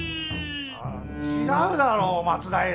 違うだろう松平！